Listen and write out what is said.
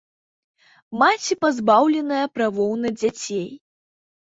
Маці пазбаўленая правоў на дзяцей.